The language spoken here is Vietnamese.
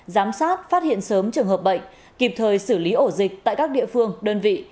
giám sát phát hiện sớm trường hợp bệnh kịp thời xử lý ổ dịch tại các địa phương đơn vị